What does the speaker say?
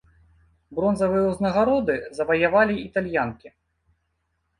Бронзавыя ўзнагароды заваявалі італьянкі.